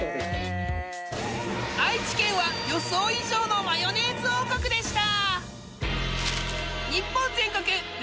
愛知県は予想以上のマヨネーズ王国でした